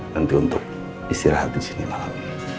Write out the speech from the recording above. nanti untuk istirahat disini malam